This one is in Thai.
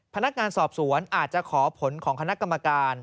พนักงานสอบสวนอาจจะขอผลของคณะกรรมการ